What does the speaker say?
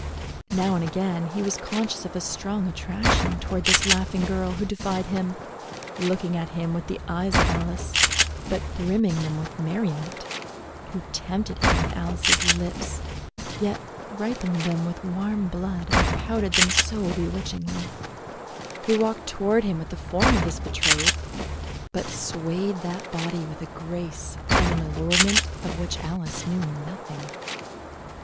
Now and again he was conscious of a strong attraction toward this laughing girl who defied him, looking at him with the eyes of Alice, but brimming them with merriment; who tempted him with Alice's lips, yet ripened them with warm blood and pouted them so bewitchingly; who walked toward him with the form of his betrothed, but swayed that body with a grace and an allurement of which Alice knew nothing.